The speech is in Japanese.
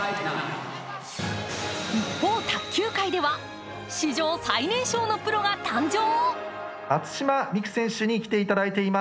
一方、卓球界では史上最年少のプロが誕生。